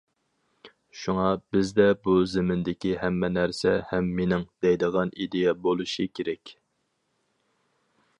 شۇڭا، بىزدە‹‹ بۇ زېمىندىكى ھەممە نەرسە ھەم مېنىڭ›› دەيدىغان ئىدىيە بولۇشى كېرەك.